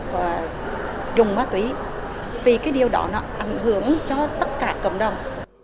và dùng lái xe vì cái điều đó nó ảnh hưởng cho tất cả cộng đồng